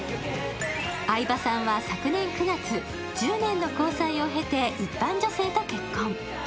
相葉さんは昨年９月、１０年の交際を経て、一般女性と結婚。